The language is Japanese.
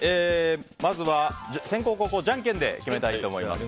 まずは、先攻・後攻をじゃんけんで決めたいと思います。